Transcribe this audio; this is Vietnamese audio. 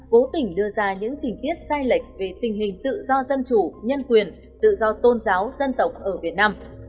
cố tình đưa ra những tình tiết sai lệch về tình hình tự do dân chủ nhân quyền tự do tôn giáo dân tộc ở việt nam